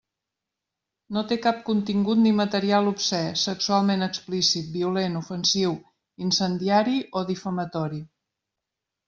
No té cap contingut ni material obscè, sexualment explícit, violent, ofensiu, incendiari o difamatori.